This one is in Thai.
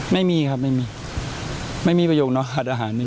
ไม่มีครับไม่มีไม่มีประโยคนขาดอาหารไม่มี